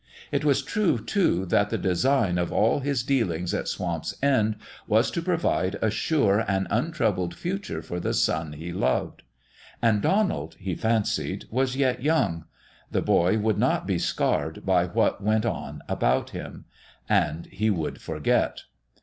It was true, too, that the design of all his dealings at Swamp's End was to provide a sure and untroubled future for the son he loved. And Donald, he fancied, was yet young; the boy would not be scarred by what went on about him and he would forget.